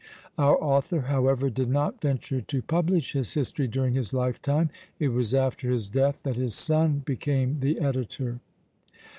Our author, however, did not venture to publish his history during his lifetime: it was after his death that his son became the editor.